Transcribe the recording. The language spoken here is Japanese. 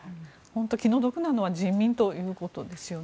気の毒なのは人民ということですよね。